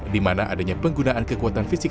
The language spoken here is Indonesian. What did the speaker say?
di mana adanya penggunaan kekuatan fisik